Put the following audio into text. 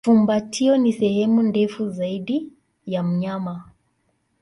Fumbatio ni sehemu ndefu zaidi ya mnyama.